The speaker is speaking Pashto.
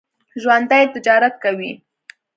ژوندي تجارت کوي